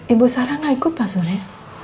ibu sarah gak ikut pak udia